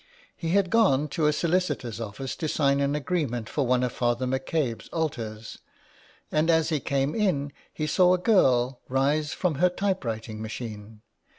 He had gone to a solicitor's office to sign an agreement for one of Father McCabe's altars, and as he came in he saw a girl rise from her typewriting machine.